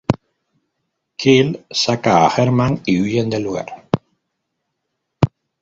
Kyle saca a Herman y huyen del lugar.